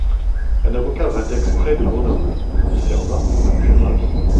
Un avocat vint exprès de Grenoble, l'observa et en fut ravi.